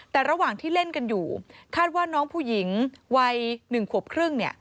แต่ระหว่างที่เล่นกันอยู่คาดว่าน้องผู้หญิงวัย๑ขวบครึ่งเนี่ย